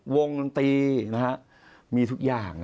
วงดนตรีมีทุกอย่าง